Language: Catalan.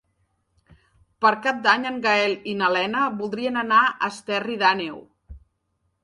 Per Cap d'Any en Gaël i na Lena voldrien anar a Esterri d'Àneu.